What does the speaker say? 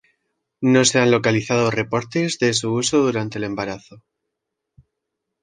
No se han localizado reportes de su uso durante el embarazo.